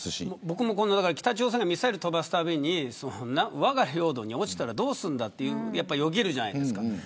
僕も北朝鮮がミサイルを飛ばすたびにわが領土に落ちたらどうすんだとよぎるじゃないですか。